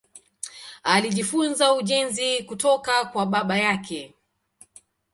Alijifunza ujenzi kutoka kwa baba yake.